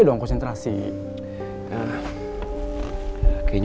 itu bukan khusus valtanya